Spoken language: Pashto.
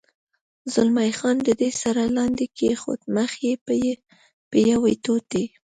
زلمی خان د ده سر لاندې کېښود، مخ یې په یوې ټوټې.